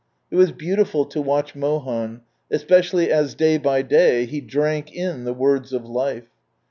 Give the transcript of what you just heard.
It was beautiful to watch Mohan, especially as, day by day, he drank in the words of life.